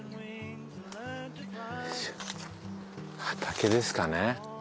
畑ですかね。